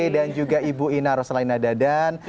dan juga ibu ina roslaina dadan